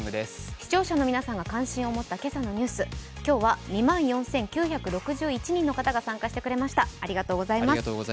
視聴者の皆さんが関心を持った今朝のニュース、今日は２万４９６１人の方が参加してくれました、ありがとうございます。